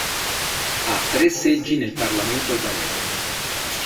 Ha tre seggi nel Parlamento albanese.